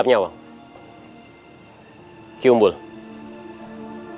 kita akan bergabung